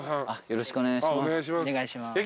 よろしくお願いします。